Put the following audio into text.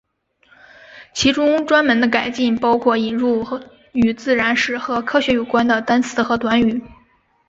其中专门的改进包括引入与自然史和科学有关的单词和短语。